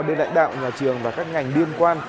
bên lãnh đạo nhà trường và các ngành liên quan